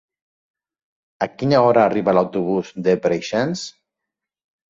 A quina hora arriba l'autobús de Preixens?